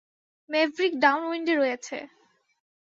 Maverick ডাউনউইন্ডে রয়েছে।